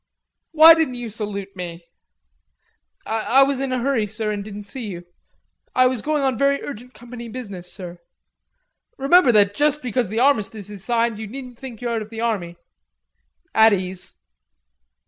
"Why didn't you salute me?" "I was in a hurry, sir, and didn't see you. I was going on very urgent company business, sir." "Remember that just because the armistice is signed you needn't think you're out of the army; at ease."